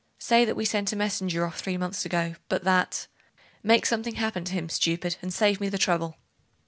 'Say that we sent a messenger off three months ago, but that.... Make something happen to him, stupid, and save me the trouble.